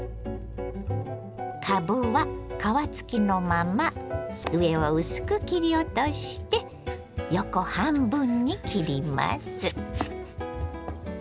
かぶは皮付きのまま上を薄く切り落として横半分に切ります。